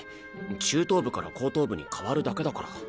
中等部から高等部に変わるだけだから。